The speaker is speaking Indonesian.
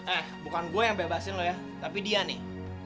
eh bukan gue yang bebasin loh ya tapi dia nih